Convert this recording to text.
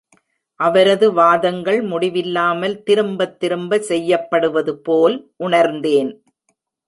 அவரது வாதங்கள் முடிவில்லாமல் திரும்பத்திரும்ப செய்யப்படுவது போல் உணர்ந்தேன்